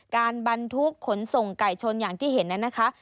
บรรทุกขนส่งไก่ชนอย่างที่เห็นนั้นนะคะ